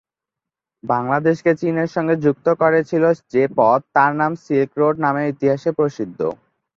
বাংলাদেশকে চীনের সঙ্গে যুক্ত করেছিল যে পথ, তার নাম সিল্ক রোড নামে ইতিহাসে প্রসিদ্ধ।